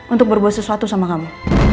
untuk berbuat sesuatu sama kamu